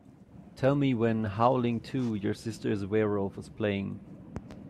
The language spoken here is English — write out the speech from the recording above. Tell me when Howling II: Your Sister Is a Werewolf is playing.